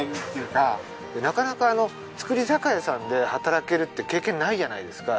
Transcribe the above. なかなか造り酒屋さんで働けるっていう経験ないじゃないですか。